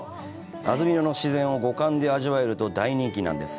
安曇野の自然を五感で味わえると大人気なんです。